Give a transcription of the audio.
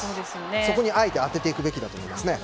そこにあえて当てていくべきだと思いますね。